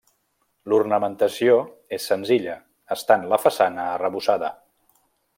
L'ornamentació és senzilla estant la façana arrebossada.